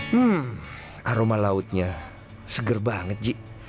hmm aroma lautnya seger banget ji